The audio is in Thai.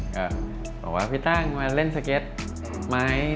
ก็บอกว่าพี่ตั้งมาเล่นสเก็ตไหม